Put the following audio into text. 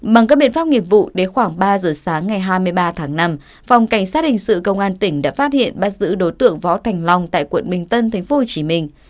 bằng các biện pháp nghiệp vụ đến khoảng ba giờ sáng ngày hai mươi ba tháng năm phòng cảnh sát hình sự công an tỉnh đã phát hiện bắt giữ đối tượng võ thành long tại quận bình tân thành phố hồ chí minh